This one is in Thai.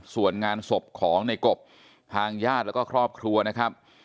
ส่วนงานศพของในกบทางญาติแล้วก็ครอบครัวนะครับ